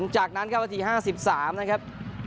จากนั้นก็วันที่๕๓นะครับ